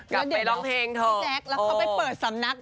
กลับไปร้องเพลงเถอะโอ๋จิ๊กแน็คแล้วเข้าไปเปิดสำนัก